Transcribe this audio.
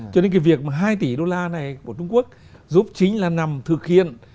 cho nên cái việc mà hai tỷ đô la này của trung quốc giúp chính là nằm thực hiện